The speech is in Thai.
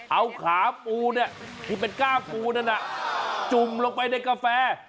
เอาขาปูเนี่ยที่เป็นก้าปูนั้นจุ่มลงไปในกาแฟ